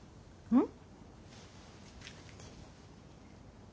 うん。